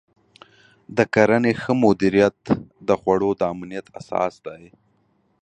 د کرنې ښه مدیریت د خوړو د امنیت اساس دی.